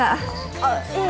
あっいえ